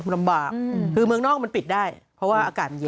มันลำบากคือเมืองนอกมันปิดได้เพราะว่าอากาศมันเย็น